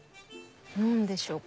何でしょう？